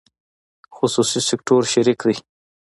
خصوصي سکتور شریک دی